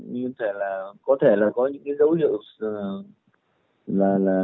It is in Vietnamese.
như có thể là có những dấu hiệu là